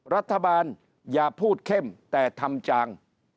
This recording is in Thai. รัฐบาลอย่าพูดเข้มแต่ทำจาง